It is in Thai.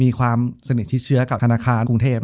จบการโรงแรมจบการโรงแรม